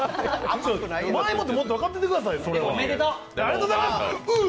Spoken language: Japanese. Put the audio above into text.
前もってもっと分かっててくださいよ。